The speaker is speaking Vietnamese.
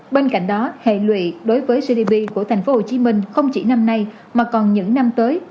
bên cạnh đó hệ lụy đối với gdp của tp hcm không chỉ năm nay mà còn những năm tới